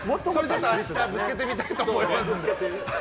明日、ぶつけてみたいと思います。